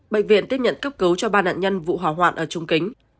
bệnh viện tiếp nhận cấp cứu cho ba nạn nhân vụ hỏa hoạn ở trung kính